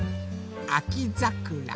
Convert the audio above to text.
あきざくら。